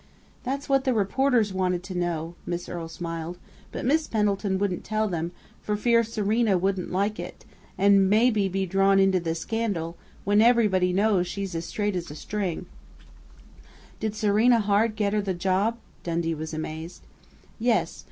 "That's what the reporters wanted to know," Miss Earle smiled. "But Miss Pendleton wouldn't tell them, for fear Serena wouldn't like it, and maybe be drawn into the scandal, when everybody knows she's as straight as a string " "Did Serena Hart get her the job?" Dundee was amazed. "Yes....